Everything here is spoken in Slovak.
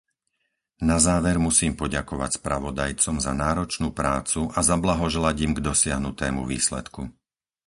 Na záver musím poďakovať spravodajcom za náročnú prácu a zablahoželať im k dosiahnutému výsledku.